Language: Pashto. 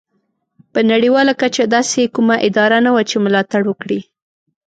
په نړیواله کچه داسې کومه اداره نه وه چې ملاتړ وکړي.